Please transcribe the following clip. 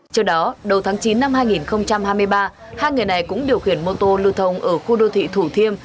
trước đó đầu tháng chín năm hai nghìn hai mươi ba hai người này cũng điều khiển mô tô lưu thông ở khu đô thị thủ thiêm